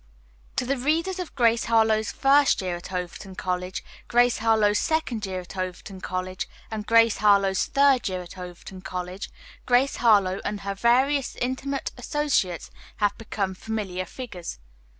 To the readers of "Grace Harlowe's First Year at Overton College," "Grace Harlowe's Second Year at Overton College" and "Grace Harlowe's Third Year at Overton College," Grace Harlowe and her various intimate associates have become familiar figures.